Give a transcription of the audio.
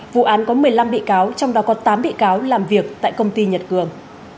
vụ án có một mươi năm bị cáo trong đó có tám bị cáo làm việc tại công ty nhật cường